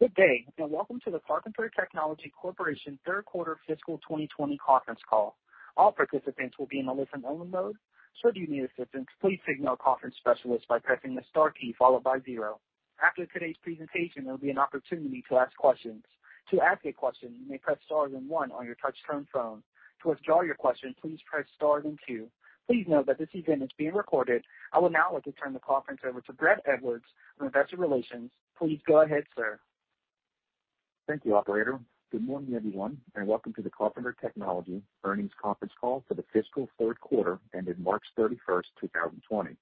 Good day, and welcome to the Carpenter Technology Corporation third quarter fiscal 2020 conference call. All participants will be in a listen-only mode. Should you need assistance, please signal a conference specialist by pressing the star key followed by zero. After today's presentation, there'll be an opportunity to ask questions. To ask a question, you may press star then one on your touchtone phone. To withdraw your question, please press star then two. Please note that this event is being recorded. I would now like to turn the conference over to Brad Edwards, on Investor Relations. Please go ahead, sir. Thank you, operator. Good morning, everyone, and welcome to the Carpenter Technology earnings conference call for the fiscal third quarter ended March 31st, 2020.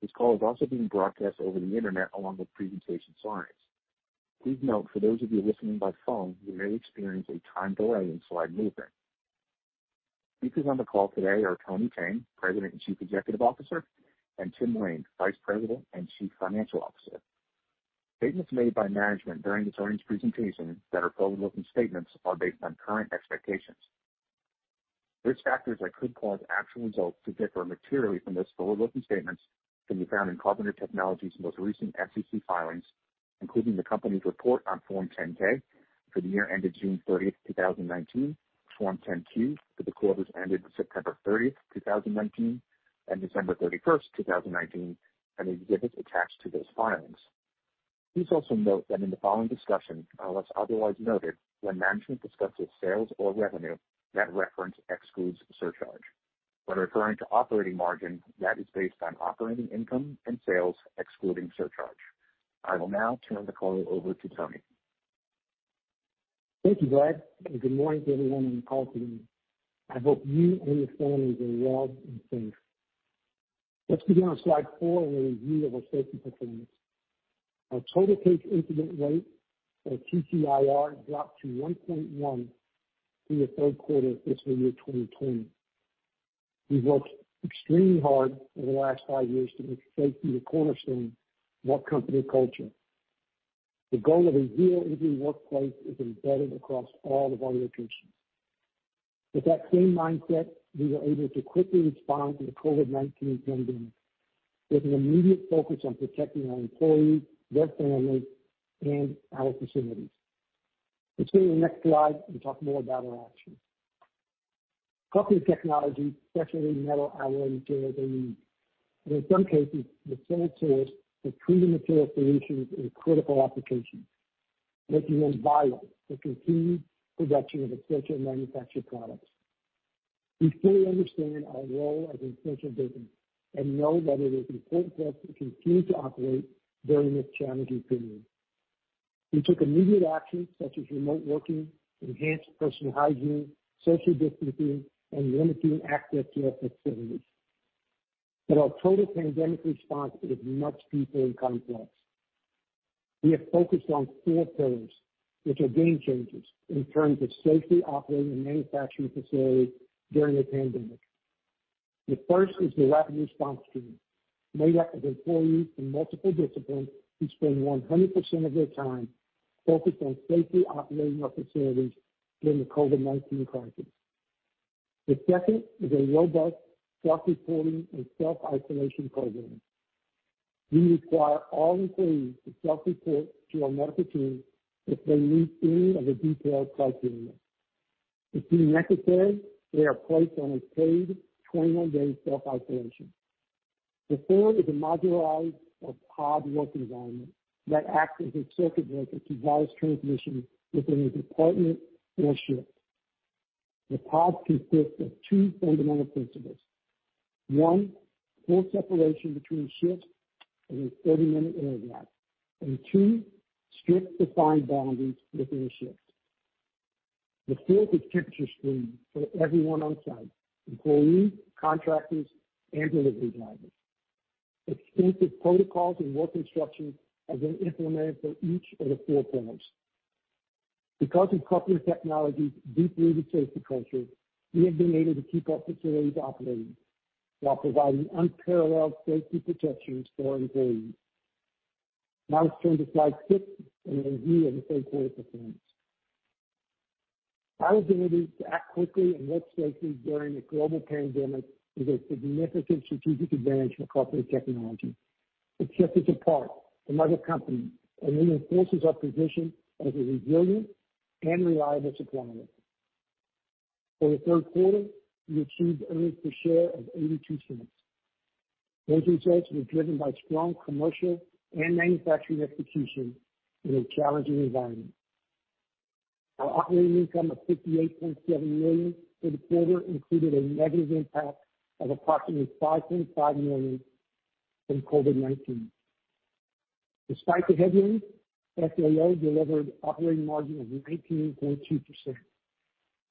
This call is also being broadcast over the Internet along with presentation slides. Please note for those of you listening by phone, you may experience a time delay in slide movement. Speakers on the call today are Tony Thene, President and Chief Executive Officer, and Tim Lain, Vice President and Chief Financial Officer. Statements made by management during this earnings presentation that are forward-looking statements are based on current expectations. Risk factors that could cause actual results to differ materially from those forward-looking statements can be found in Carpenter Technology's most recent SEC filings, including the company's report on Form 10-K for the year ended June 30, 2019, Form 10-Q for the quarters ended September 30, 2019 and December 31, 2019, and exhibits attached to those filings. Please also note that in the following discussion, unless otherwise noted, when management discusses sales or revenue, that reference excludes surcharge. When referring to operating margin, that is based on operating income and sales excluding surcharge. I will now turn the call over to Tony. Thank you, Brad, and good morning to everyone on the call today. I hope you and your families are well and safe. Let's begin on slide four with a review of our safety performance. Our total case incident rate or TCIR dropped to 1.1 in the third quarter FY 2020. We've worked extremely hard over the last five years to make safety the cornerstone of our company culture. The goal of a zero injury workplace is embedded across all of our locations. With that same mindset, we were able to quickly respond to the COVID-19 pandemic with an immediate focus on protecting our employees, their families, and our facilities. Let's go to the next slide and talk more about our actions. Carpenter Technology specialty metal alloy materials are used, and in some cases, the sole source for critical material solutions in critical applications, making them vital for continued production of essential manufactured products. We fully understand our role as an essential business and know that it is important for us to continue to operate during this challenging period. We took immediate action such as remote working, enhanced personal hygiene, social distancing, and limiting access to our facilities. Our total pandemic response is much deeper and complex. We have focused on 4 pillars, which are game changers in terms of safely operating a manufacturing facility during a pandemic. The first is the rapid response team, made up of employees from multiple disciplines who spend 100% of their time focused on safely operating our facilities during the COVID-19 crisis. The second is a robust self-reporting and self-isolation program. We require all employees to self-report to our medical team if they meet any of the detailed criteria. If necessary, they are placed on a paid 21-day self-isolation. The third is a modularized or pod work environment that acts as a circuit breaker to virus transmission within a department or shift. The pod consists of two fundamental principles. One, full separation between shifts and a 30-minute air gap. Two, strict defined boundaries within a shift. The fourth is temperature screening for everyone on site, employees, contractors, and delivery drivers. Extensive protocols and work instructions have been implemented for each of the four pillars. Because of Carpenter Technology's deep-rooted safety culture, we have been able to keep our facilities operating while providing unparalleled safety protections for our employees. Now let's turn to slide six, a review of the third quarter performance. Our ability to act quickly and work safely during a global pandemic is a significant strategic advantage for Carpenter Technology. It sets us apart from other companies, and it reinforces our position as a resilient and reliable supplier. For the third quarter, we achieved earnings per share of $0.82. Those results were driven by strong commercial and manufacturing execution in a challenging environment. Our operating income of $58.7 million for the quarter included a negative impact of approximately $5.5 million from COVID-19. Despite the headwinds, FTO delivered operating margin of 19.2%,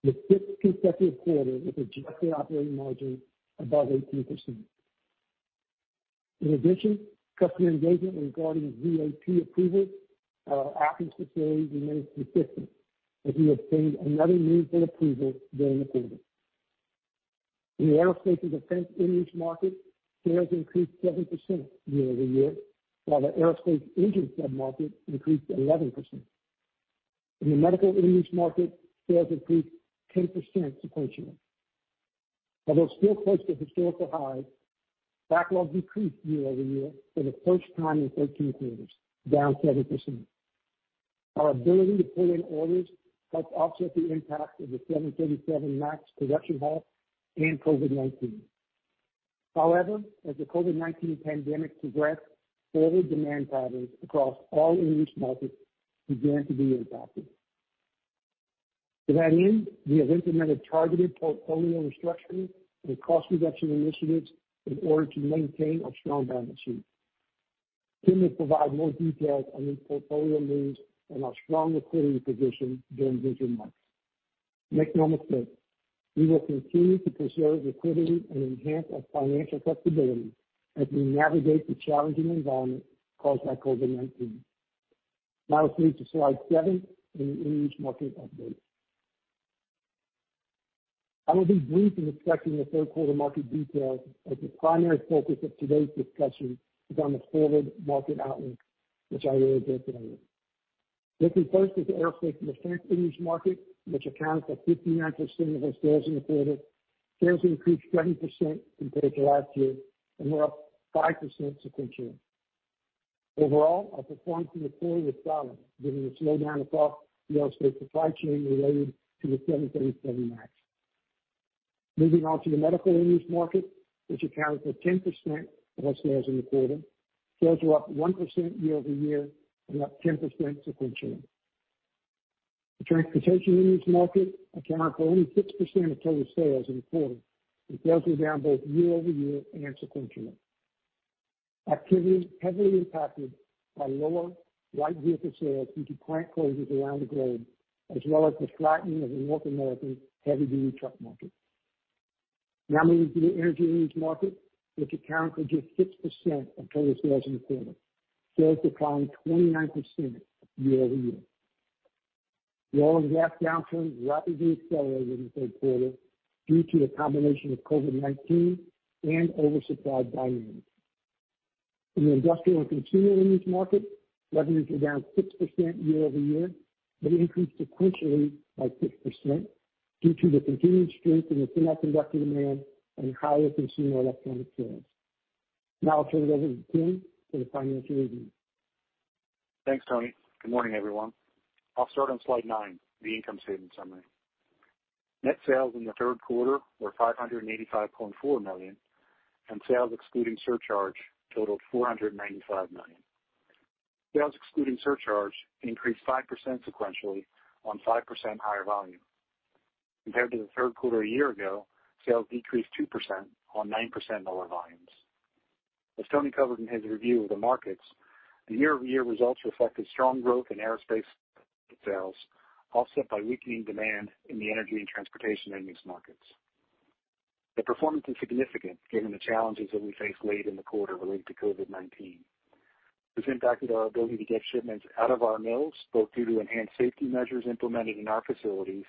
the fifth consecutive quarter with adjusted operating margin above 18%. In addition, customer engagement regarding VAP approvals, our applications to those remained consistent as we obtained another meaningful approval during the quarter. In the aerospace and defense end-use market, sales increased 7% year-over-year, while the aerospace engine sub-market increased 11%. In the medical end-use market, sales increased 10% sequentially. Although still close to historical highs, backlogs decreased year-over-year for the first time in 13 quarters, down 7%. Our ability to pull in orders helped offset the impact of the 737 MAX production halt and COVID-19. However, as the COVID-19 pandemic progressed, order demand patterns across all end-use markets began to be impacted. To that end, we have implemented targeted portfolio restructuring and cost reduction initiatives in order to maintain our strong balance sheet. Tim will provide more details on these portfolio moves and our strong liquidity position during his remarks. Make no mistake, we will continue to preserve liquidity and enhance our financial flexibility as we navigate the challenging environment caused by COVID-19. Now to slide seven in the end-use market update. I will be brief in discussing the third quarter market details, as the primary focus of today's discussion is on the forward market outlook, which I will get to. Looking first at the aerospace and defense end-use market, which accounts for 59% of our sales in the quarter, sales increased 7% compared to last year and were up 5% sequentially. Overall, our performance in the quarter was solid given the slowdown across the aerospace supply chain related to the 737 MAX. Moving on to the medical end-use market, which accounted for 10% of our sales in the quarter. Sales were up 1% year-over-year and up 10% sequentially. The transportation end-use market accounted for only 6% of total sales in the quarter, with sales were down both year-over-year and sequentially. Activity heavily impacted by lower light vehicle sales due to plant closures around the globe, as well as the flattening of the North American heavy-duty truck market. Moving to the energy end-use market, which accounted for just 6% of total sales in the quarter. Sales declined 29% year-over-year. The oil and gas downturn rapidly accelerated in the third quarter due to a combination of COVID-19 and oversupply dynamics. In the industrial and consumer end-use market, revenues were down 6% year-over-year, but increased sequentially by 6% due to the continued strength in the semiconductor demand and higher consumer electronic sales. I'll turn it over to Tim for the financial review. Thanks, Tony. Good morning, everyone. I'll start on slide nine, the income statement summary. Net sales in the third quarter were $585.4 million, and sales excluding surcharge totaled $495 million. Sales excluding surcharge increased 5% sequentially on 5% higher volume. Compared to the third quarter a year ago, sales decreased 2% on 9% lower volumes. As Tony covered in his review of the markets, the year-over-year results reflected strong growth in aerospace sales, offset by weakening demand in the energy and transportation end-use markets. The performance is significant given the challenges that we faced late in the quarter related to COVID-19, which impacted our ability to get shipments out of our mills, both due to enhanced safety measures implemented in our facilities,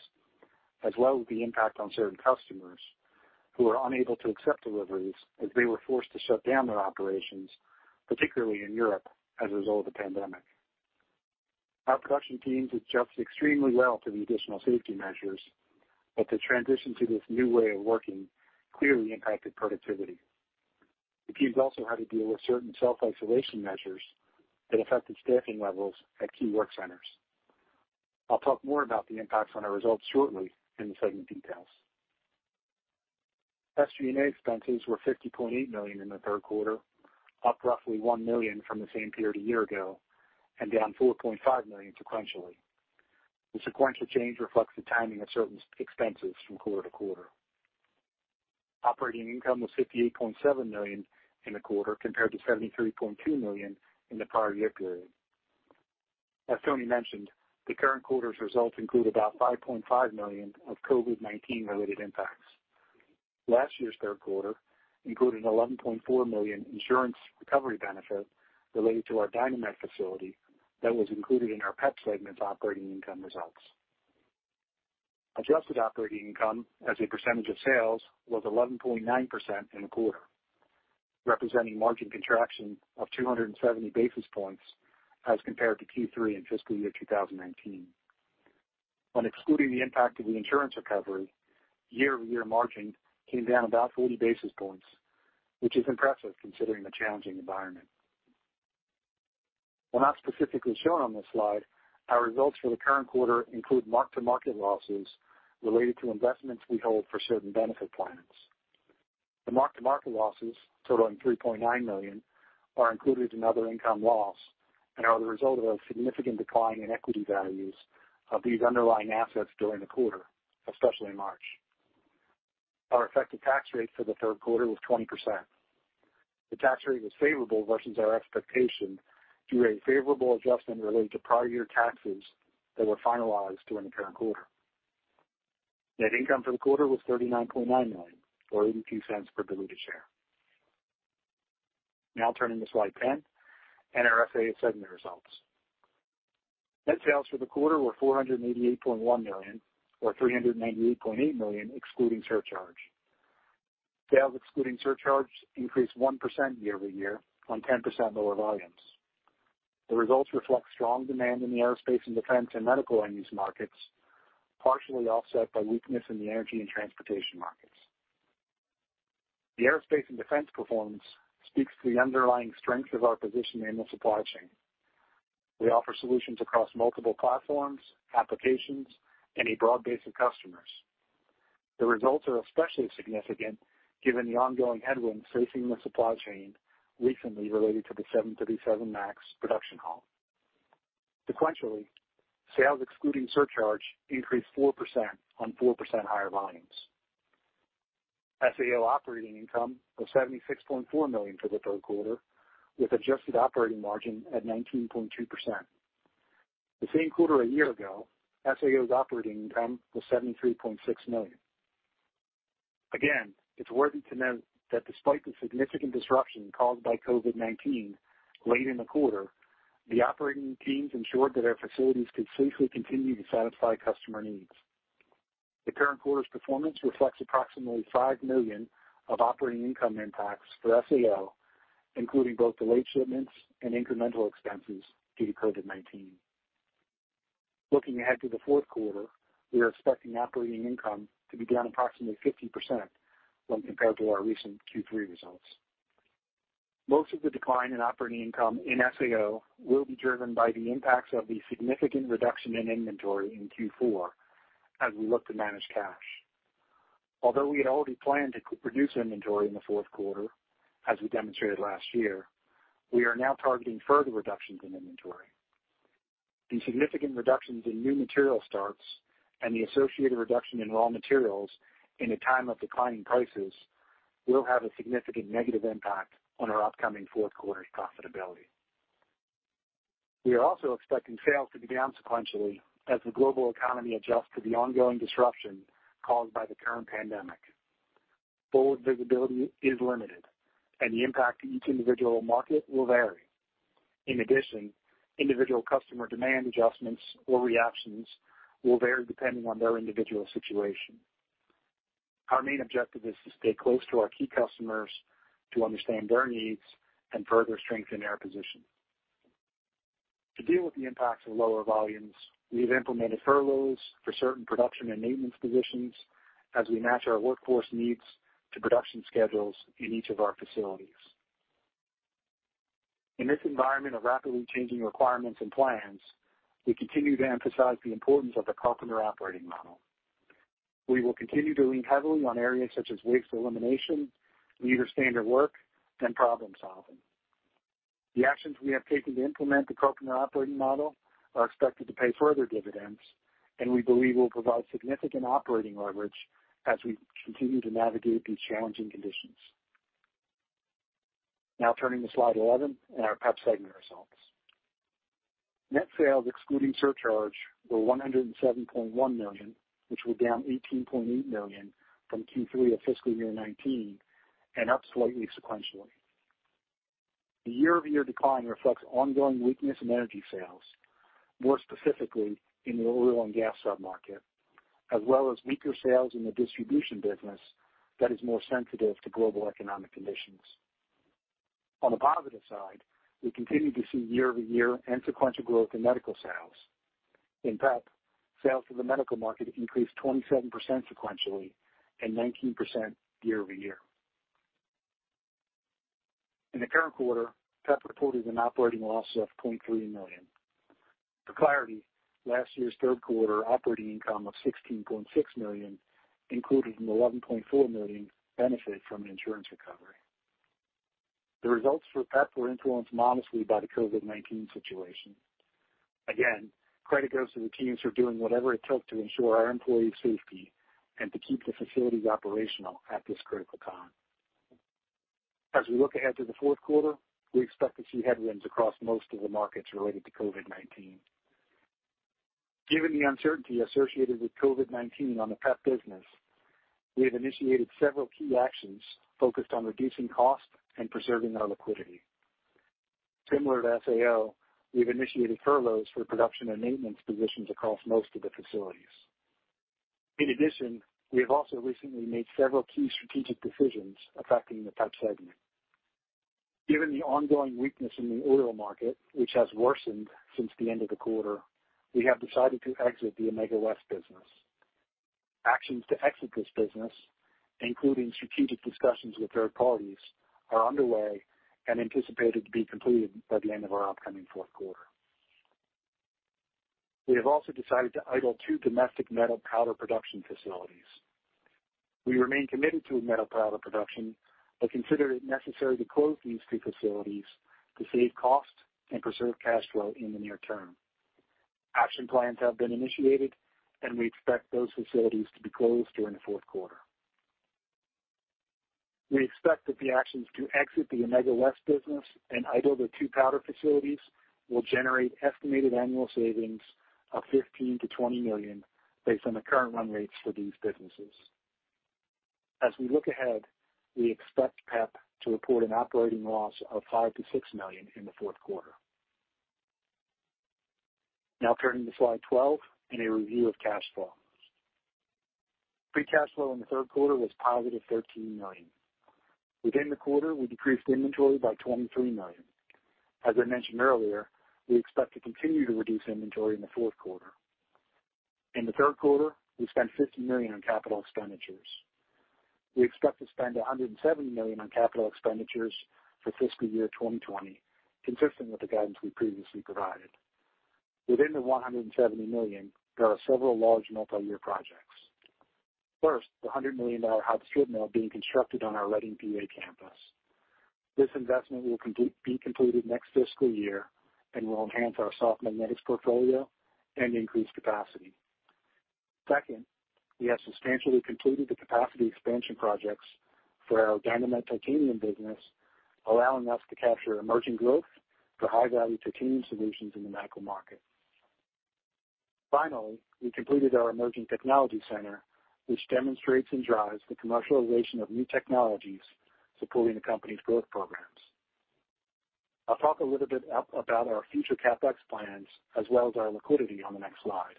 as well as the impact on certain customers who were unable to accept deliveries as they were forced to shut down their operations, particularly in Europe, as a result of the pandemic. Our production teams adjusted extremely well to the additional safety measures, but the transition to this new way of working clearly impacted productivity. The teams also had to deal with certain self-isolation measures that affected staffing levels at key work centers. I'll talk more about the impacts on our results shortly in the segment details. SG&A expenses were $50.8 million in the third quarter, up roughly $1 million from the same period a year ago, and down $4.5 million sequentially. The sequential change reflects the timing of certain expenses from quarter to quarter. Operating income was $58.7 million in the quarter, compared to $73.2 million in the prior year period. As Tony mentioned, the current quarter's results include about $5.5 million of COVID-19 related impacts. Last year's third quarter included an $11.4 million insurance recovery benefit related to our Dynamet facility that was included in our PEP segment's operating income results. Adjusted operating income as a percentage of sales was 11.9% in the quarter, representing margin contraction of 270 basis points as compared to Q3 in fiscal year 2019. When excluding the impact of the insurance recovery, year-over-year margin came down about 40 basis points, which is impressive considering the challenging environment. While not specifically shown on this slide, our results for the current quarter include mark-to-market losses related to investments we hold for certain benefit plans. The mark-to-market losses totaling $3.9 million are included in other income loss and are the result of a significant decline in equity values of these underlying assets during the quarter, especially in March. Our effective tax rate for the third quarter was 20%. The tax rate was favorable versus our expectation due to a favorable adjustment related to prior year taxes that were finalized during the current quarter. Net income for the quarter was $39.9 million, or $0.82 per diluted share. Turning to slide 10, SAO segment results. Net sales for the quarter were $488.1 million, or $398.8 million excluding surcharge. Sales excluding surcharge increased 1% year-over-year on 10% lower volumes. The results reflect strong demand in the aerospace and defense and medical end-use markets, partially offset by weakness in the energy and transportation markets. The aerospace and defense performance speaks to the underlying strength of our position in the supply chain. We offer solutions across multiple platforms, applications, and a broad base of customers. The results are especially significant given the ongoing headwinds facing the supply chain recently related to the 737 MAX production halt. Sequentially, sales excluding surcharge increased 4% on 4% higher volumes. SAO operating income was $76.4 million for the third quarter, with adjusted operating margin at 19.2%. The same quarter a year ago, SAO's operating income was $73.6 million. Again, it's worthy to note that despite the significant disruption caused by COVID-19 late in the quarter, the operating teams ensured that our facilities could safely continue to satisfy customer needs. The current quarter's performance reflects approximately $5 million of operating income impacts for SAO, including both delayed shipments and incremental expenses due to COVID-19. Looking ahead to the fourth quarter, we are expecting operating income to be down approximately 50% when compared to our recent Q3 results. Most of the decline in operating income in SAO will be driven by the impacts of the significant reduction in inventory in Q4 as we look to manage cash. Although we had already planned to reduce inventory in the fourth quarter, as we demonstrated last year, we are now targeting further reductions in inventory. The significant reductions in new material starts and the associated reduction in raw materials in a time of declining prices will have a significant negative impact on our upcoming fourth quarter's profitability. We are also expecting sales to be down sequentially as the global economy adjusts to the ongoing disruption caused by the current pandemic. Forward visibility is limited, and the impact to each individual market will vary. In addition, individual customer demand adjustments or reactions will vary depending on their individual situation. Our main objective is to stay close to our key customers to understand their needs and further strengthen our position. To deal with the impacts of lower volumes, we have implemented furloughs for certain production and maintenance positions as we match our workforce needs to production schedules in each of our facilities. In this environment of rapidly changing requirements and plans, we continue to emphasize the importance of the Carpenter operating model. We will continue to lean heavily on areas such as waste elimination, leader standard work, and problem-solving. The actions we have taken to implement the Carpenter operating model are expected to pay further dividends, and we believe will provide significant operating leverage as we continue to navigate these challenging conditions. Turning to slide 11 and our PEP segment results. Net sales excluding surcharge were $107.1 million, which were down $18.8 million from Q3 of fiscal year 2019 and up slightly sequentially. The year-over-year decline reflects ongoing weakness in energy sales, more specifically in the oil and gas sub-market, as well as weaker sales in the distribution business that is more sensitive to global economic conditions. On the positive side, we continue to see year-over-year and sequential growth in medical sales. In PEP, sales to the medical market increased 27% sequentially and 19% year-over-year. In the current quarter, PEP reported an operating loss of $0.3 million. For clarity, last year's third quarter operating income of $16.6 million included an $11.4 million benefit from an insurance recovery. The results for PEP were influenced modestly by the COVID-19 situation. Again, credit goes to the teams for doing whatever it takes to ensure our employees' safety and to keep the facilities operational at this critical time. We look ahead to the fourth quarter, we expect to see headwinds across most of the markets related to COVID-19. Given the uncertainty associated with COVID-19 on the PEP business, we have initiated several key actions focused on reducing cost and preserving our liquidity. Similar to SAO, we've initiated furloughs for production and maintenance positions across most of the facilities. We have also recently made several key strategic decisions affecting the PEP segment. Given the ongoing weakness in the oil market, which has worsened since the end of the quarter, we have decided to exit the Amega West business. Actions to exit this business, including strategic discussions with third parties, are underway and anticipated to be completed by the end of our upcoming fourth quarter. We have also decided to idle two domestic metal powder production facilities. We remain committed to metal powder production, but consider it necessary to close these two facilities to save cost and preserve cash flow in the near term. Action plans have been initiated. We expect those facilities to be closed during the fourth quarter. We expect that the actions to exit the Amega West business and idle the two powder facilities will generate estimated annual savings of $15 million-$20 million based on the current run rates for these businesses. As we look ahead, we expect PEP to report an operating loss of $5 million-$6 million in the fourth quarter. Now turning to slide 12 and a review of cash flow. Free cash flow in the third quarter was positive $13 million. Within the quarter, we decreased inventory by $23 million. As I mentioned earlier, we expect to continue to reduce inventory in the fourth quarter. In the third quarter, we spent $50 million on capital expenditures. We expect to spend $170 million on capital expenditures for fiscal year 2020, consistent with the guidance we previously provided. Within the $170 million, there are several large multi-year projects. First, the $100 million hybrid strip mill being constructed on our Reading, PA campus. This investment will be completed next fiscal year and will enhance our soft magnetics portfolio and increase capacity. Second, we have substantially completed the capacity expansion projects for our Dynamet titanium business, allowing us to capture emerging growth for high-value titanium solutions in the medical market. Finally, we completed our emerging technology center, which demonstrates and drives the commercialization of new technologies supporting the company's growth programs. I'll talk a little bit about our future CapEx plans as well as our liquidity on the next slide.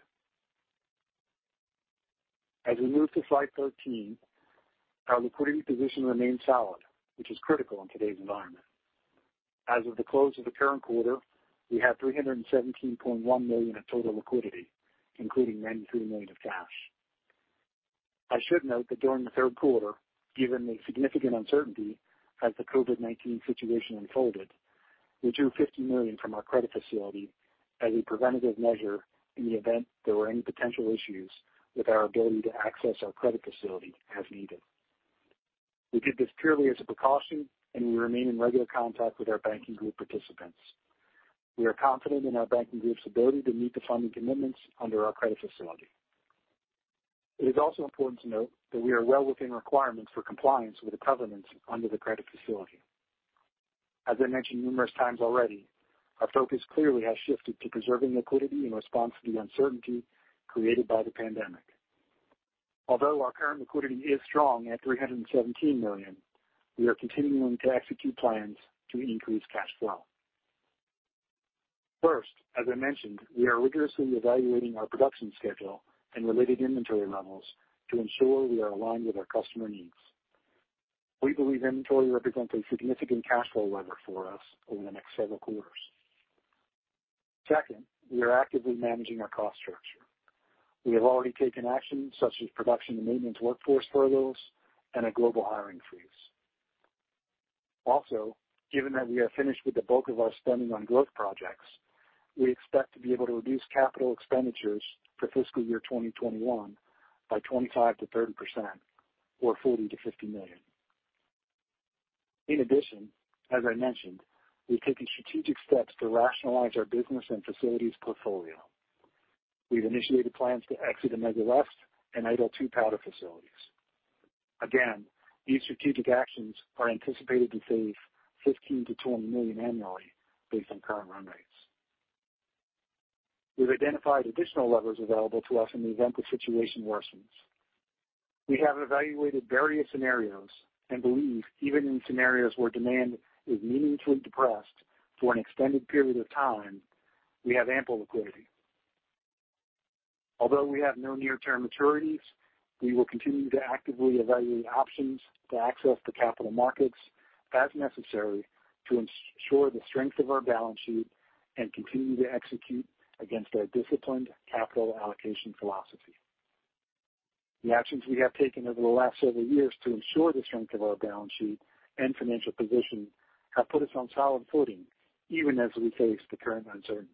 As we move to slide 13, our liquidity position remains solid, which is critical in today's environment. As of the close of the current quarter, we have $317.1 million of total liquidity, including $93 million of cash. I should note that during the third quarter, given the significant uncertainty as the COVID-19 situation unfolded, we drew $50 million from our credit facility as a preventative measure in the event there were any potential issues with our ability to access our credit facility as needed. We did this purely as a precaution, and we remain in regular contact with our banking group participants. We are confident in our banking group's ability to meet the funding commitments under our credit facility. It is also important to note that we are well within requirements for compliance with the covenants under the credit facility. As I mentioned numerous times already, our focus clearly has shifted to preserving liquidity in response to the uncertainty created by the pandemic. Although our current liquidity is strong at $317 million, we are continuing to execute plans to increase cash flow. First, as I mentioned, we are rigorously evaluating our production schedule and related inventory levels to ensure we are aligned with our customer needs. We believe inventory represents a significant cash flow lever for us over the next several quarters. Second, we are actively managing our cost structure. We have already taken actions such as production and maintenance workforce furloughs and a global hiring freeze. Given that we are finished with the bulk of our spending on growth projects, we expect to be able to reduce capital expenditures for fiscal year 2021 by 25%-30% or $40 million-$50 million. In addition, as I mentioned, we've taken strategic steps to rationalize our business and facilities portfolio. We've initiated plans to exit Amega West and idle two powder facilities. Again, these strategic actions are anticipated to save $15 million-$20 million annually based on current run rates. We've identified additional levers available to us in the event the situation worsens. We have evaluated various scenarios and believe even in scenarios where demand is meaningfully depressed for an extended period of time, we have ample liquidity. Although we have no near-term maturities, we will continue to actively evaluate options to access the capital markets as necessary to ensure the strength of our balance sheet and continue to execute against our disciplined capital allocation philosophy. The actions we have taken over the last several years to ensure the strength of our balance sheet and financial position have put us on solid footing, even as we face the current uncertainty.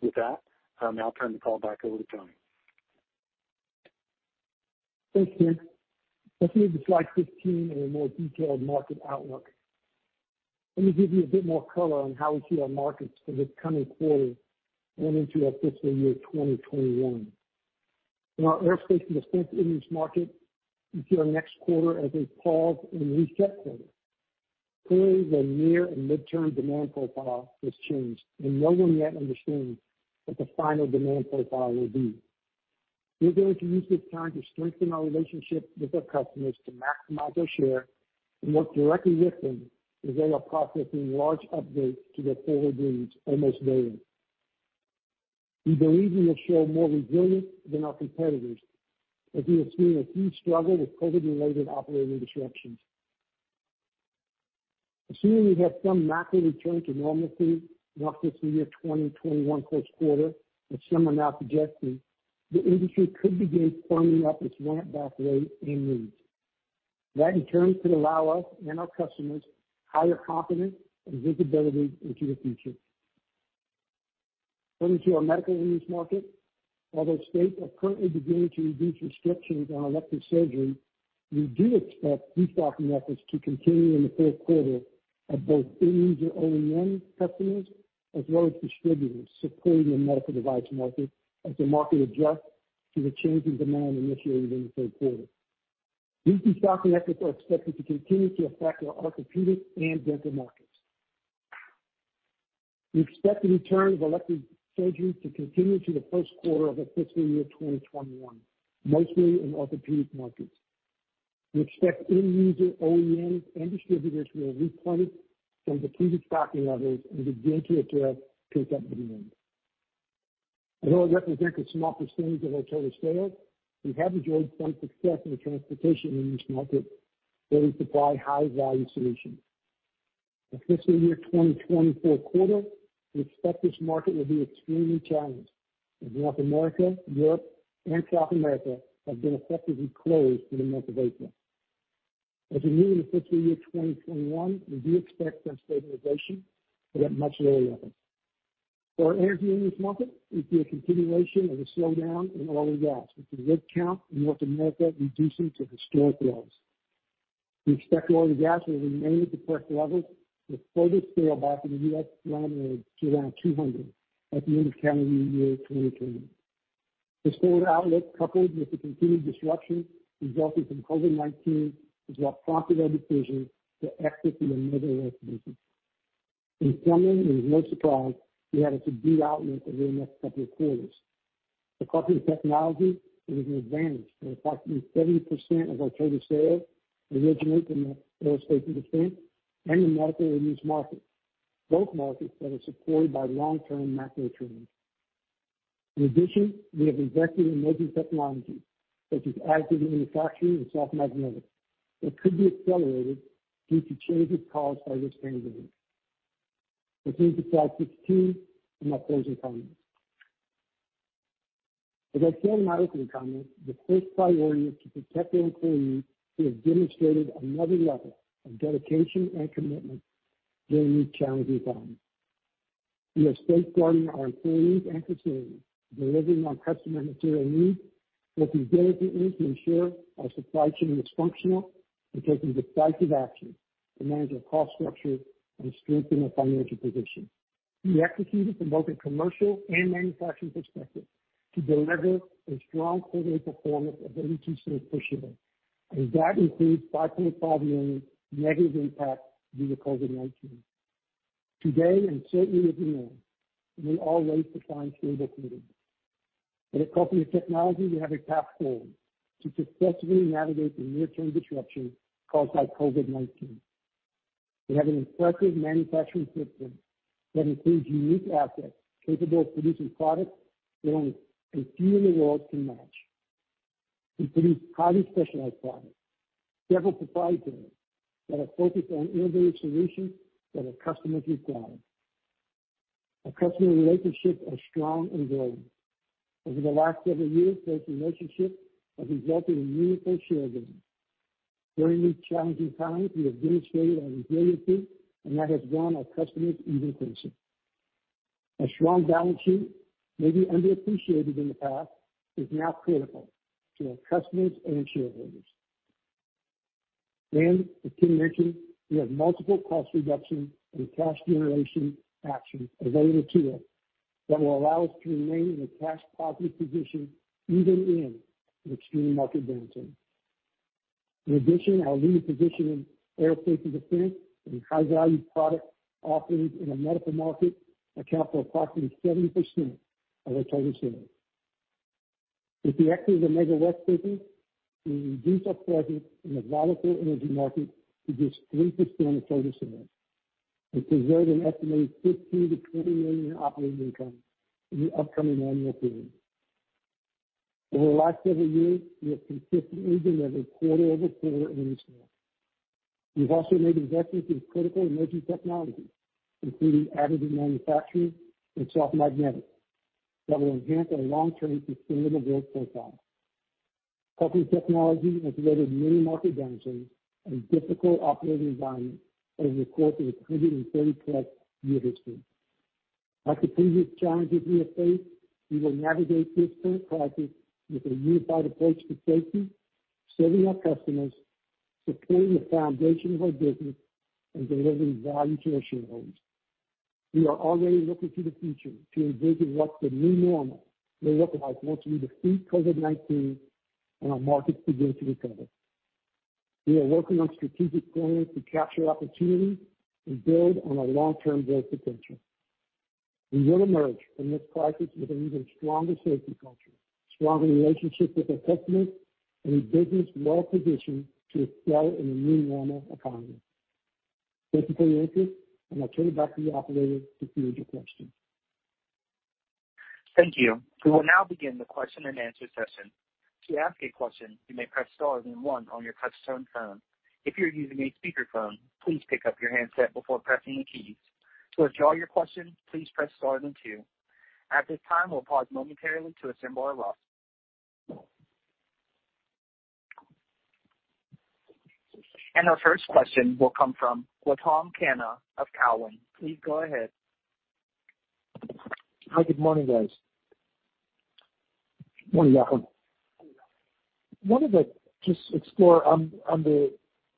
With that, I'll now turn the call back over to Tony. Thanks, Tim. Let's move to slide 15 and a more detailed market outlook. Let me give you a bit more color on how we see our markets for this coming quarter and into our fiscal year 2021. In our aerospace and defense end-use market, we see our next quarter as a pause and reset quarter. Clearly, the near and mid-term demand profile has changed, and no one yet understands what the final demand profile will be. We are going to use this time to strengthen our relationship with our customers to maximize our share and work directly with them as they are processing large updates to their daily dreams almost daily. We believe we will show more resilience than our competitors, as we have seen a few struggle with COVID-related operating disruptions. Assuming we have some macro return to normalcy in our fiscal year 2021 first quarter, as some are now projecting, the industry could begin climbing up its ramp back rate and needs. That in turn could allow us and our customers higher confidence and visibility into the future. Turning to our medical end-use market, although states are currently beginning to reduce restrictions on elective surgery, we do expect restocking efforts to continue in the fourth quarter of both end-user OEM customers as well as distributors supporting the medical device market as the market adjusts to the changing demand initiated in the third quarter. These restocking efforts are expected to continue to affect our orthopedic and dental markets. We expect the return of elective surgery to continue to the first quarter of our fiscal year 2021, mostly in orthopedic markets. We expect end user OEMs and distributors will replenish from depleted stocking levels as inventory returns pick up at the end. Although it represents a small percentage of our total sales, we have enjoyed some success in the transportation end-use market where we supply high-value solutions. In fiscal year 2024 quarter, we expect this market will be extremely challenged as North America, Europe, and South America have been effectively closed for the month of April. As we move into fiscal year 2025, we do expect some stabilization, but at much lower levels. For our energy end-use market, we see a continuation of the slowdown in oil and gas with the rig count in North America reducing to historic lows. We expect oil and gas will remain at depressed levels, with total sales back in the U.S. landing to around $200 at the end of calendar year 2024. This forward outlook, coupled with the continued disruption resulting from COVID-19, is what prompted our decision to exit the Amega West business. Informally, it is no surprise we have a subdued outlook over the next couple of quarters. At Carpenter Technology, it is an advantage that approximately 70% of our total sales originate from the aerospace and defense and the medical end-use markets, both markets that are supported by long-term macro trends. In addition, we have invested in emerging technologies such as additive manufacturing and soft magnetics that could be accelerated due to changes caused by this pandemic. With me to slide 15, and my closing comments. As I said in my opening comments, the first priority is to protect our employees who have demonstrated another level of dedication and commitment during these challenging times. We are safeguarding our employees and facilities, delivering on customer material needs, working diligently to ensure our supply chain is functional, and taking decisive action to manage our cost structure and strengthen our financial position. We executed from both a commercial and manufacturing perspective to deliver a strong quarterly performance of $0.82 per share, and that includes $5.5 million negative impact due to COVID-19. Today, and certainly looking ahead, we all wait to find stable footing. At Carpenter Technology, we have a path forward to successfully navigate the near-term disruption caused by COVID-19. We have an impressive manufacturing footprint that includes unique assets capable of producing products that only a few in the world can match. We produce highly specialized products, several proprietary, that are focused on innovative solutions that our customers require. Our customer relationships are strong and growing. Over the last several years, those relationships have resulted in meaningful share gains. During these challenging times, we have demonstrated our resiliency, and that has won our customers even closer. A strong balance sheet, maybe underappreciated in the past, is now critical to our customers and shareholders. As Tim mentioned, we have multiple cost reduction and cash generation actions available to us that will allow us to remain in a cash positive position even in an extreme market downturn. In addition, our leading position in aerospace and defense and high-value product offerings in the medical market account for approximately 70% of our total sales. With the exit of Amega West business, we reduce our presence in the volatile energy market to just 3% of total sales and preserve an estimated $15 million-$20 million in operating income in the upcoming annual period. Over the last several years, we have consistently delivered quarter-over-quarter earnings growth. We've also made investments in critical emerging technologies, including additive manufacturing and soft magnetics, that will enhance our long-term sustainable growth profile. Carpenter Technology has weathered many market downturns and difficult operating environments over the course of its 130-plus-year history. Like the previous challenges we have faced, we will navigate this current crisis with a unified approach to safety, serving our customers, securing the foundation of our business, and delivering value to our shareholders. We are already looking to the future to envision what the new normal may look like once we defeat COVID-19 and our markets begin to recover. We are working on strategic plans to capture opportunities and build on our long-term growth potential. We will emerge from this crisis with an even stronger safety culture, stronger relationships with our customers, and a business well-positioned to excel in a new normal economy. Thank you for your interest, and I'll turn it back to the operator to field your questions. Thank you. We will now begin the question-and-answer session. To ask a question, you may press star then one on your touchtone phone. If you're using a speakerphone, please pick up your handset before pressing the keys. To withdraw your question, please press stars and two. At this time, we'll pause momentarily to assemble our list. Our first question will come from Gautam Khanna of Cowen. Please go ahead. Hi, good morning, guys. Morning, Gautam. Wanted to just explore on the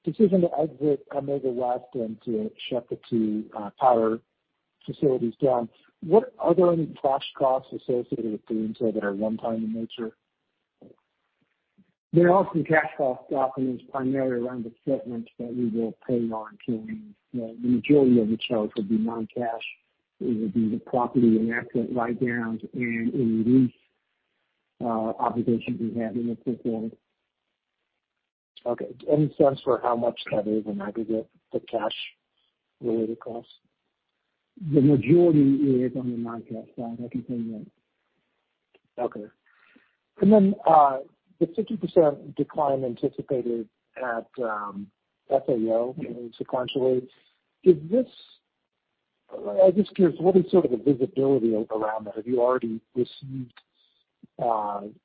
decision to exit Amega West and to shut the two powder facilities down. What are there any cash costs associated with doing so that are one time in nature? There are some cash costs, Gautam. It's primarily around the settlements that we will pay on claims. The majority of which, however, will be non-cash. It would be the property and asset write-downs and any lease obligations we have in the fourth quarter. Okay. Any sense for how much that is in aggregate, the cash-related costs? The majority is on the non-cash side, I can tell you that. Okay. The 50% decline anticipated at SAO sequentially, I guess what is sort of the visibility around that? Have you already received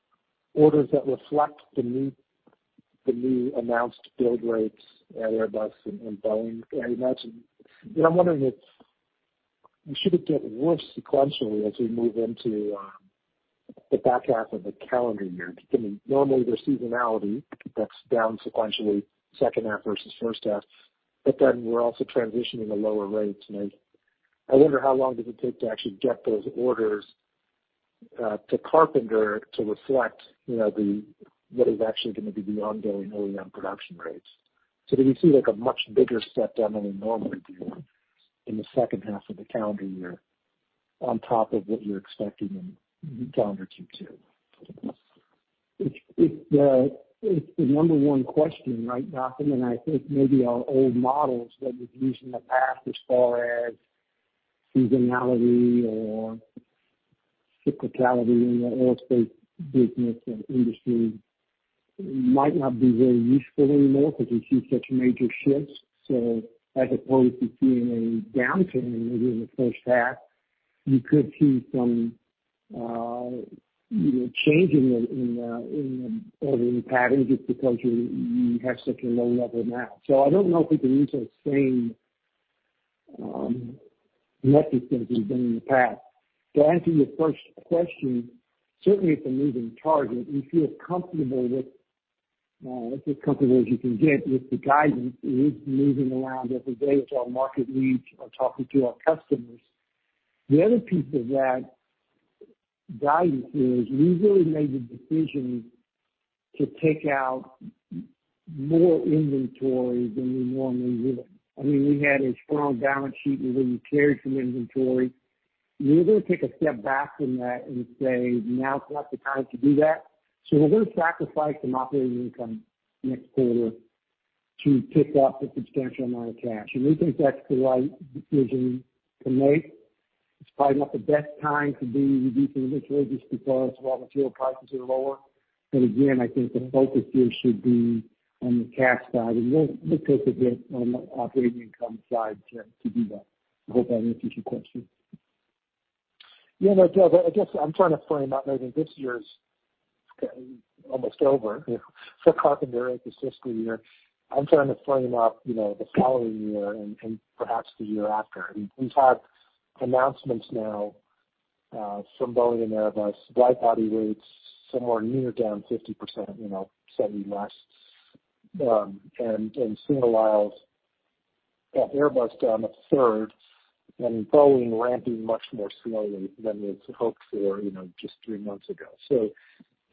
orders that reflect the new announced build rates at Airbus and Boeing? Should it get worse sequentially as we move into the back half of the calendar year? Because normally, there's seasonality that's down sequentially, second half versus first half. We're also transitioning to lower rates. I wonder how long does it take to actually get those orders to Carpenter to reflect what is actually going to be the ongoing OEM production rates. Do we see a much bigger step down than we normally do in the second half of the calendar year on top of what you're expecting in calendar Q2? It's the number one question, right, Gautam? I think maybe our old models that we've used in the past as far as seasonality or cyclicality in the aerospace business and industry might not be very useful anymore because we see such major shifts. As opposed to seeing a downturn maybe in the first half, you could see some changing in the ordering patterns, just because you have such a low level now. I don't know if we can use those same metrics that we've done in the past. To answer your first question, certainly it's a moving target. We feel as comfortable as you can get with the guidance. It is moving around every day as our market leads are talking to our customers. The other piece of that guidance is we really made the decision to take out more inventory than we normally would have. We had a strong balance sheet. We really carried some inventory. We were going to take a step back from that and say, "Now is not the time to do that." We're going to sacrifice some operating income next quarter to pick up a substantial amount of cash. We think that's the right decision to make. It's probably not the best time to be reducing inventory just because raw material prices are lower. Again, I think the focus here should be on the cash side, and we'll take a hit on the operating income side to do that. I hope that answers your question. Yeah, no, it does. I guess I'm trying to frame up. I think this year's almost over for Carpenter, the fiscal year. I'm trying to frame up the following year and perhaps the year after. We've had announcements now from Boeing and Airbus, wide-body rates somewhere near down 50%, certainly less. Sooner rather, got Airbus down a third and Boeing ramping much more slowly than we had hoped for just three months ago.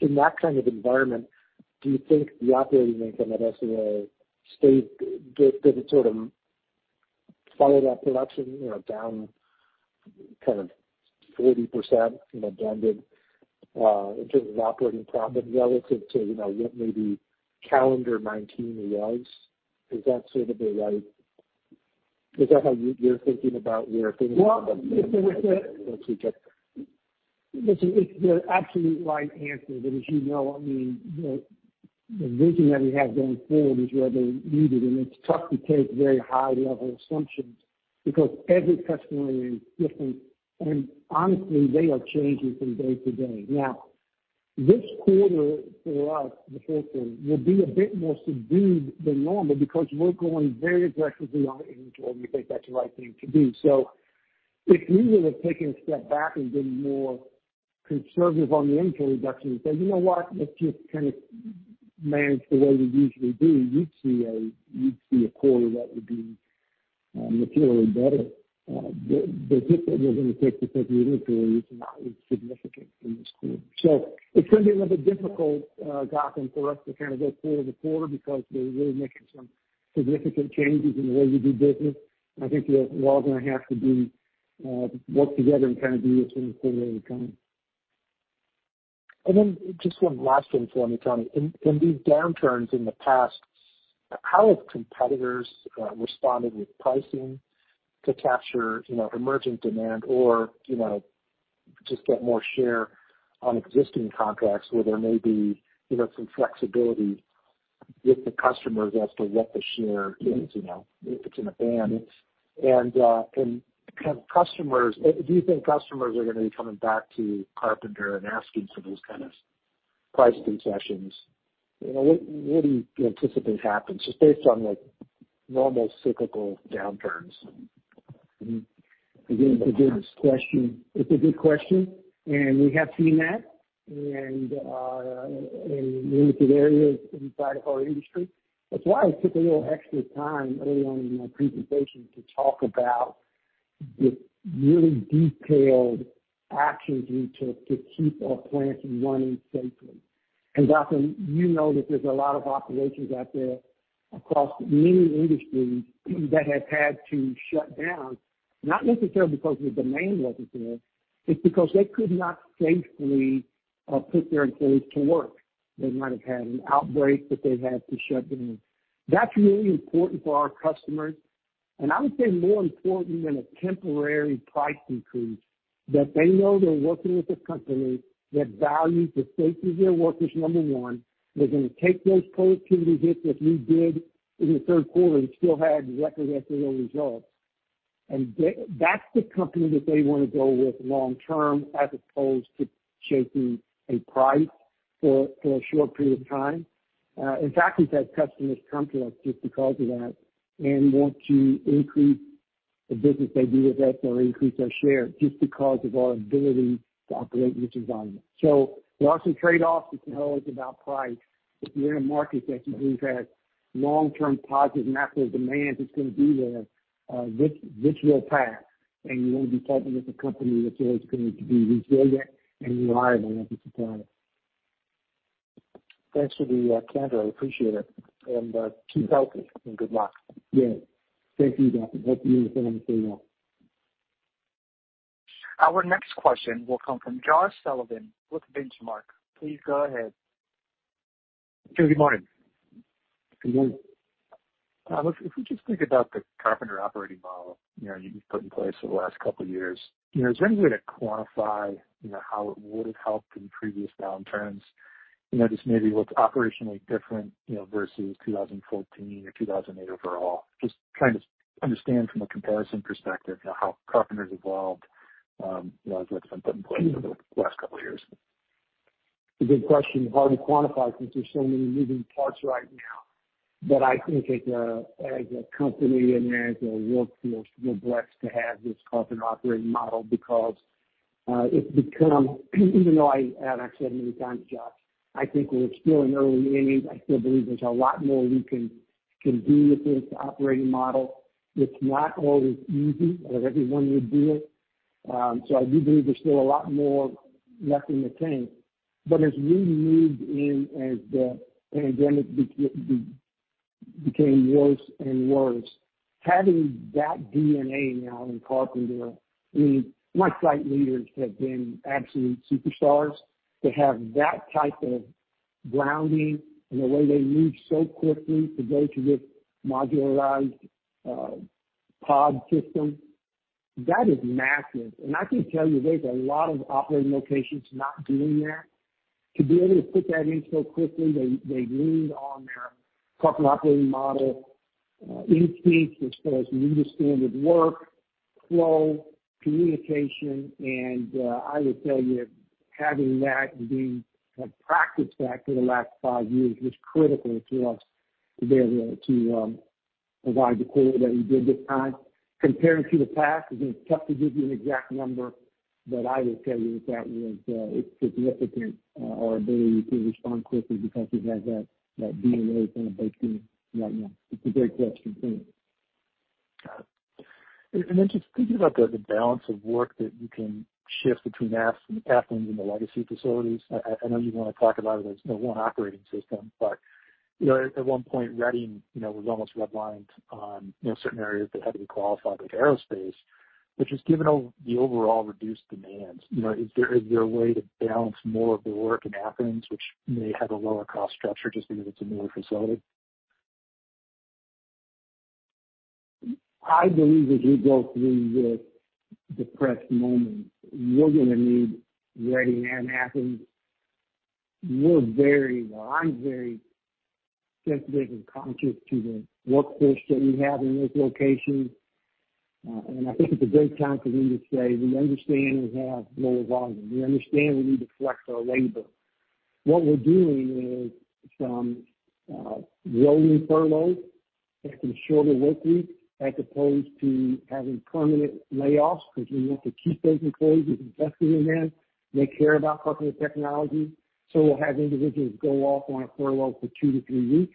In that kind of environment, do you think the operating income at SAO, does it sort of follow that production, down kind of 40%, down in terms of operating profit relative to what maybe calendar 2019 was? Is that how you're thinking about where things are going to go as we get? It's the absolute right answer. As you know, the vision that we have going forward is rather muted, and it's tough to take very high-level assumptions because every customer is different. Honestly, they are changing from day to day. This quarter for us, the fourth quarter, will be a bit more subdued than normal because we're going very aggressively on inventory. We think that's the right thing to do. If we would have taken a step back and been more conservative on the inventory reduction and said, "You know what? Let's just kind of manage the way we usually do," you'd see a quarter that would be materially better. The hit that we're going to take because of the inventory is significant in this quarter. It's going to be a little bit difficult, Gautam, for us to kind of go quarter to quarter because we're really making some significant changes in the way we do business. I think we're all going to have to work together and kind of be within the quarter when we can. Then just one last thing for me, Tony. In these downturns in the past, how have competitors responded with pricing to capture emerging demand or just get more share on existing contracts where there may be some flexibility with the customers as to what the share is, if it's in a band? Do you think customers are going to be coming back to Carpenter and asking for those kind of price concessions? What do you anticipate happens, just based on normal cyclical downturns? Again, it's a good question. We have seen that in limited areas inside of our industry. That's why I took a little extra time early on in my presentation to talk about the really detailed actions we took to keep our plants running safely. Gautam, you know that there's a lot of operations out there across many industries that have had to shut down, not necessarily because the demand wasn't there, it's because they could not safely put their employees to work. They might have had an outbreak that they've had to shut down. That's really important for our customers, and I would say more important than a temporary price increase, that they know they're working with a company that values the safety of their workers, number one. They're going to take those productivity hits that we did in the third quarter and still had record FTO results. That's the company that they want to go with long term as opposed to chasing a price for a short period of time. In fact, we've had customers come to us just because of that and want to increase the business they do with us or increase their share just because of our ability to operate in this environment. There are some trade-offs, it's always about price. If you're in a market that you believe has long-term positive natural demand that's going to be there, this will pass, and you want to be partnered with a company that's always going to be resilient and reliable as a supplier. Thanks for the candor. I appreciate it. Keep healthy, and good luck. Yeah. Thank you, Gautam. Hope you and your family are doing well. Our next question will come from Josh Sullivan with Benchmark. Please go ahead. Good morning. Good morning. If we just think about the Carpenter operating model you've put in place over the last couple of years. Is there any way to quantify how it would have helped in previous downturns? Just maybe what's operationally different versus 2014 or 2008 overall. Just trying to understand from a comparison perspective, how Carpenter's evolved as what's been put in place over the last couple of years. It's a good question. Hard to quantify since there's so many moving parts right now. I think as a company and as a workforce, we're blessed to have this Carpenter operating model because it's become, even though I've said many times, Josh, I think we're still in early innings. I still believe there's a lot more we can do with this operating model. It's not always easy or everyone would do it. I do believe there's still a lot more left in the tank. As we moved in, as the pandemic became worse and worse, having that DNA now in Carpenter, my site leaders have been absolute superstars. To have that type of grounding and the way they moved so quickly to go to this modularized pod system, that is massive. I can tell you, there's a lot of operating locations not doing that. To be able to put that in so quickly, they leaned on their Carpenter operating model instincts as to the standard work, flow, communication, and I would tell you, having that and having practiced that for the last five years was critical to us to be able to provide the quarter that we did this time. Comparing to the past, it's going to be tough to give you an exact number, I will tell you that that was significant, our ability to respond quickly because we have that DNA from a base view right now. It's a great question. Thanks. Got it. Then just thinking about the balance of work that you can shift between Athens and the legacy facilities. I know you want to talk about it as one operating system, but at one point, Reading was almost redlined on certain areas that had to be qualified, like aerospace. Just given the overall reduced demand, is there a way to balance more of the work in Athens, which may have a lower cost structure just because it's a newer facility? I believe as we go through this depressed moment, we're going to need Reading and Athens. I'm very sensitive and conscious to the workforce that we have in those locations. I think it's a great time for me to say, we understand we have lower volume. We understand we need to flex our labor. What we're doing is some rolling furloughs, taking a shorter work week as opposed to having permanent layoffs, because we want to keep those employees. We've invested in them. They care about Carpenter Technology. We'll have individuals go off on a furlough for two to three weeks.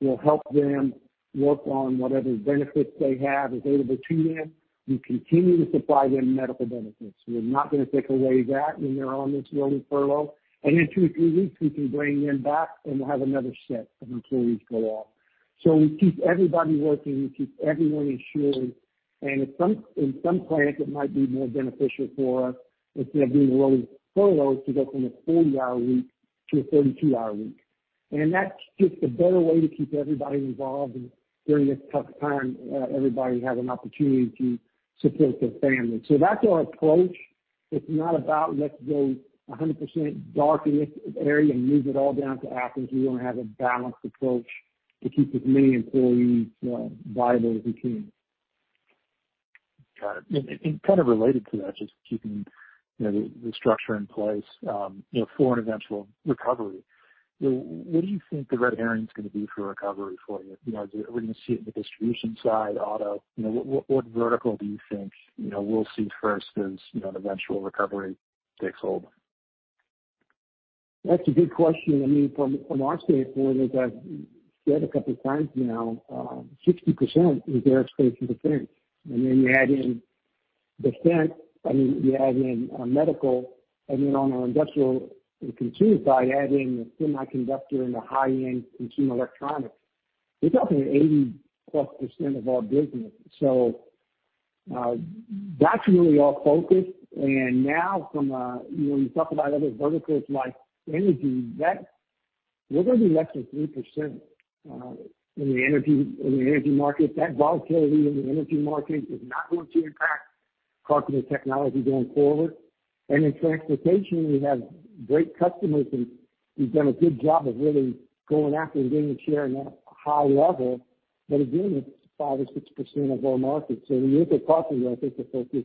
We'll help them work on whatever benefits they have available to them. We continue to supply them medical benefits. We're not going to take away that when they're on this rolling furlough. In two, three weeks, we can bring them back, and we'll have another set of employees go off. We keep everybody working. We keep everyone insured. In some plants, it might be more beneficial for us, instead of doing rolling furloughs, to go from a 40-hour week to a 32-hour week. That's just a better way to keep everybody involved, and during this tough time, everybody has an opportunity to support their family. That's our approach. It's not about let's go 100% dark in this area and move it all down to Athens. We want to have a balanced approach to keep as many employees viable as we can. Got it. Kind of related to that, just keeping the structure in place for an eventual recovery. What do you think the red herring is going to be for recovery for you? Are we going to see it in the distribution side, auto? What vertical do you think we'll see first as an eventual recovery takes hold? That's a good question. From our standpoint, as I've said a couple of times now, 60% is aerospace and defense. Then you add in percent, you add in our medical and then on our industrial and consumer by adding the semiconductor and the high-end consumer electronics. We're talking 80-plus% of our business. That's really our focus. Now when you talk about other verticals like energy, that we're going to be less than 3% in the energy market. That volatility in the energy market is not going to impact Carpenter Technology going forward. In transportation, we have great customers, and we've done a good job of really going after and gaining share in that high level. Again, it's 5% or 6% of our market. When you look at Carpenter, I think the focus is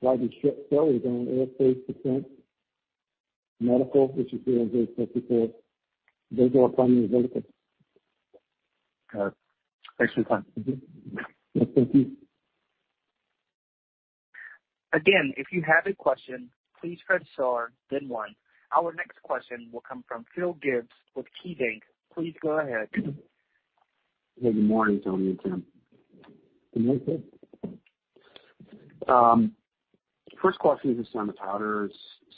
widely spread. Is our aerospace segment, medical, which is really very critical. Those are our primary verticals. All right. Thanks for your time. Yes, thank you. Again, if you have a question, please press star then one. Our next question will come from Phil Gibbs with KeyBanc. Please go ahead. Hey, good morning, Tony and Tim. Good morning. First question is on the powders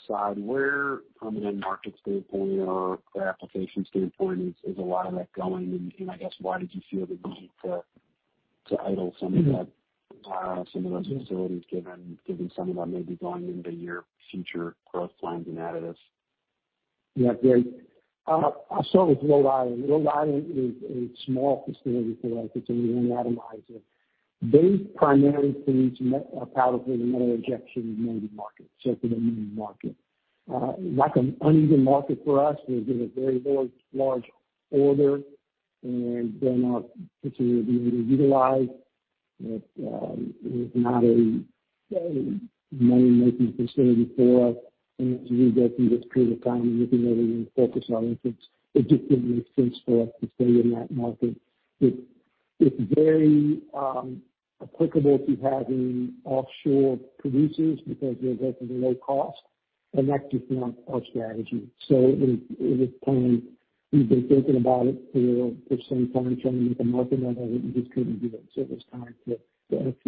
side. Where from an end market standpoint or application standpoint is a lot of that going? I guess why did you feel the need to idle some of those facilities, given some of that may be going into your future growth plans in additives? Great. I'll start with Rhode Island. Rhode Island is a small facility for us. It's an atomizer. They primarily produce a powder for the metal injection molding market, so for the molding market. Like an uneven market for us, we get a very large order, and then not particularly able to utilize. It was not a money-making facility for us. As we go through this period of time and looking at where we focus our efforts, it just didn't make sense for us to stay in that market. It's very applicable if you're having offshore producers, because they're looking for low cost, and that's just not our strategy. We've been thinking about it for some time. It's only with the market now that we just couldn't do it. It was time to exit.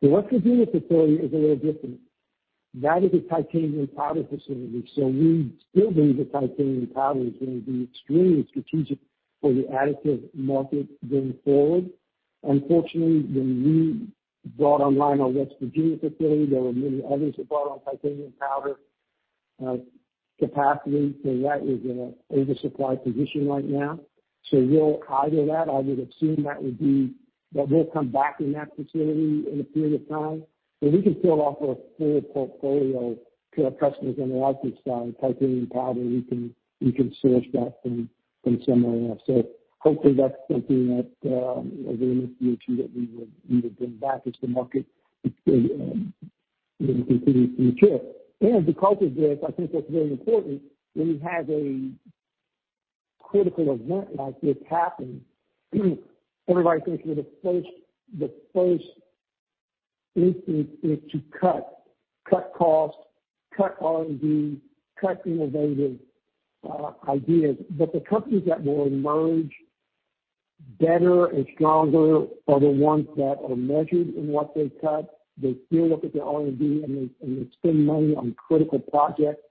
The West Virginia facility is a little different. That is a titanium powder facility. We still believe the titanium powder is going to be extremely strategic for the additive market going forward. Unfortunately, when we brought online our West Virginia facility, there were many others that brought on titanium powder capacity. That is in an oversupply position right now. We'll idle that. I would assume that we'll come back in that facility in a period of time. We can still offer a full portfolio to our customers on the additive side. Titanium powder, we can source that from somewhere else. Hopefully, that's something that over the next year or two, that we would bring back as the market continues to mature. Because of this, I think that's very important. When you have a critical event like this happen, everybody thinks the first instinct is to cut. Cut costs, cut R&D, cut innovative ideas. The companies that will emerge better and stronger are the ones that are measured in what they cut. They still look at their R&D, and they spend money on critical projects.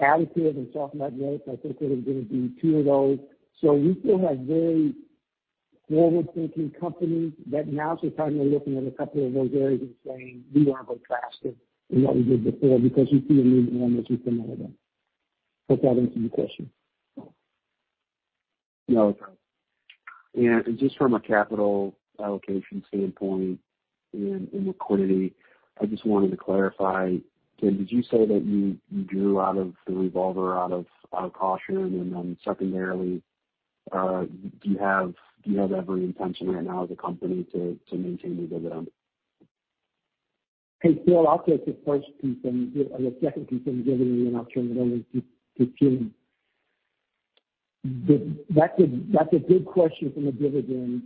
Additive and soft magnetics, I think, are going to be two of those. We still have very forward-thinking companies that now temporarily are looking at a couple of those areas and saying, "We want to go faster than what we did before," because we see a need and a want to come out of that. Hope that answered your question. No, it does. Just from a capital allocation standpoint and liquidity, I just wanted to clarify, Tim, did you say that you drew out of the revolver out of caution? Secondarily, do you have every intention right now as a company to maintain the dividend? Hey, Phil, I'll take the first piece and the second piece on the dividend. Then I'll turn it over to Tim. That's a good question from the dividend.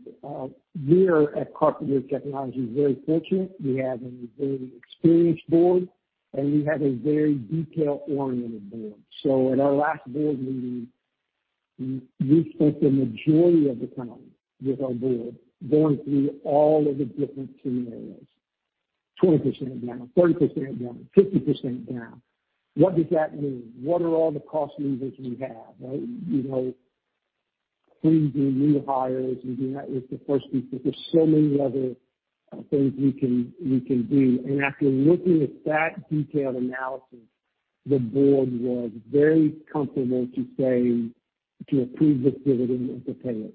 We're at Carpenter Technology, very fortunate. We have a very experienced board, and we have a very detail-oriented board. At our last board meeting, we spent the majority of the time with our board going through all of the different scenarios, 20% down, 30% down, 50% down. What does that mean? What are all the cost levers we have? Freezing new hires and doing that was the first piece. There's so many other things we can do. After looking at that detailed analysis, the board was very comfortable to say, to approve this dividend and to pay it.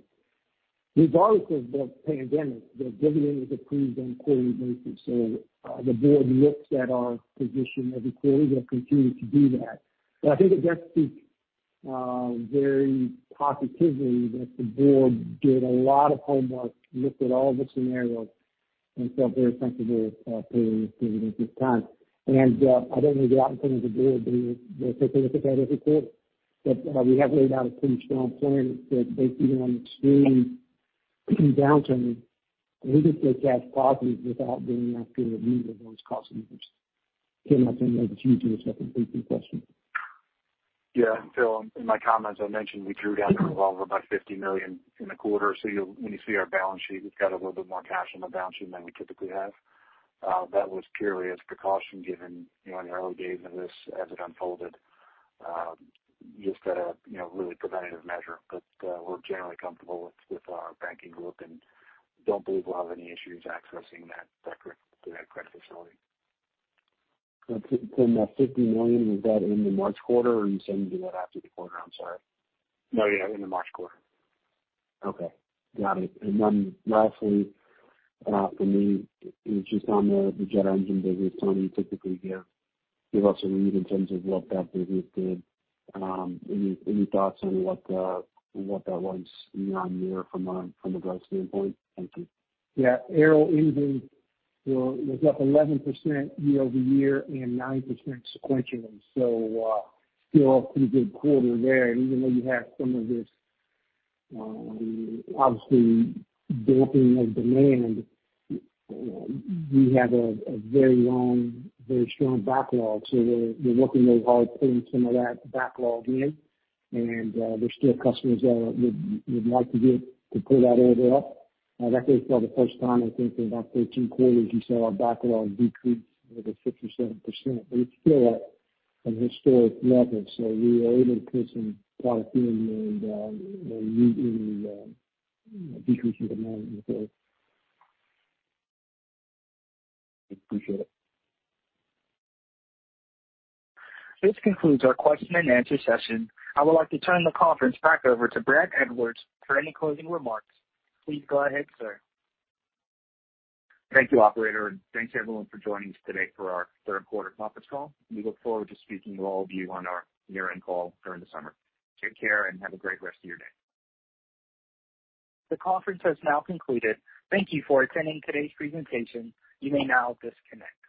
Regardless of the pandemic, the dividend is approved on a quarterly basis. The board looks at our position every quarter. They'll continue to do that. I think it does speak very positively that the board did a lot of homework, looked at all the scenarios, and felt very comfortable paying the dividend at this time. I don't want to get out in front of the board. They will take a look at that every quarter. We have laid out a pretty strong plan that even on extreme downturn, we could stay cash positive without going after any of those cost levers. Tim, I'll turn it over to you for the second piece of the question. Yeah. Phil, in my comments, I mentioned we drew down the revolver by $50 million in the quarter. When you see our balance sheet, we've got a little bit more cash on the balance sheet than we typically have. That was purely as a precaution given the early days of this as it unfolded, just a really preventative measure. We're generally comfortable with our banking group and don't believe we'll have any issues accessing that credit facility. That $50 million, was that in the March quarter, or are you saying you did that after the quarter? I'm sorry. No, yeah. In the March quarter. Okay. Got it. Lastly, for me, just on the jet engine business, Tony, you typically give us a read in terms of what that business did. Any thoughts on what that was year-on-year from a growth standpoint? Thank you. Yeah. Aero engine was up 11% year-over-year and 9% sequentially. Still a pretty good quarter there. Even though you have some of this obviously dampening of demand, we have a very long, very strong backlog. We're working really hard putting some of that backlog in, and there's still customers that would like to get to pull that order up. Actually, for the first time, I think in about 13 quarters, you saw our backlog decrease, I think, 67%. It's still at an historic level. We were able to put some product in and meet even the decrease in demand in the quarter. Appreciate it. This concludes our question and answer session. I would like to turn the conference back over to Brad Edwards for any closing remarks. Please go ahead, sir. Thank you, operator. Thanks everyone for joining us today for our third quarter conference call. We look forward to speaking with all of you on our year-end call during the summer. Take care and have a great rest of your day. The conference has now concluded. Thank you for attending today's presentation. You may now disconnect.